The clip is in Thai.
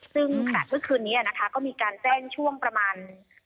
ซึ่งขณะทุกคืนนี้ก็มีการแจ้งช่วงประมาณ